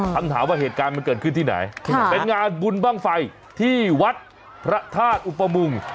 คำถามว่าเหตุการณ์มันเกิดขึ้นที่ไหนเป็นงานบุญบ้างไฟที่วัดพระธาตุอุปมุง